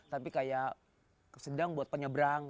tapi kayak sedang buat penyeberang